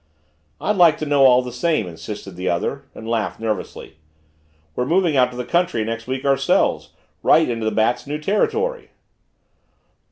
"I'd like to know all the same," insisted the other, and laughed nervously. "We're moving out to the country next week ourselves right in the Bat's new territory."